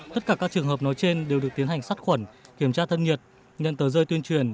tất cả các trường hợp nói trên đều được tiến hành sát khuẩn kiểm tra thân nhiệt nhận tờ rơi tuyên truyền